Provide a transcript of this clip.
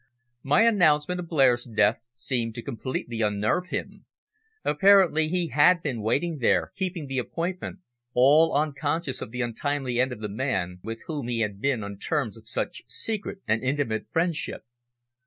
My announcement of Blair's death seemed to completely unnerve him. Apparently he had been waiting there, keeping the appointment, all unconscious of the untimely end of the man with whom he had been on terms of such secret and intimate friendship.